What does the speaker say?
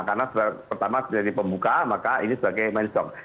karena pertama menjadi pembuka maka ini sebagai mensyok